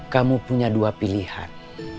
kamu punya dua pilihan